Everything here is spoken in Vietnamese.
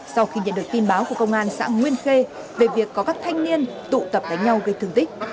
sau khi nhận được tin báo của công an xã nguyên khê về việc có các thanh niên tụ tập đánh nhau gây thương tích